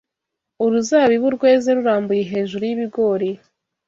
uruzabibu rweze rurambuye hejuru y'ibigori